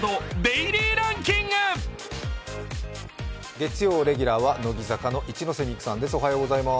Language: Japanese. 月曜レギュラーは乃木坂の一ノ瀬美空さんです。